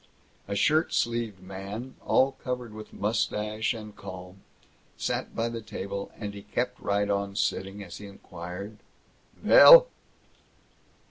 A shirt sleeved man, all covered with mustache and calm, sat by the table, and he kept right on sitting as he inquired: "Vell?"